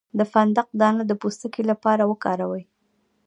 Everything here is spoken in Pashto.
د فندق دانه د پوستکي لپاره وکاروئ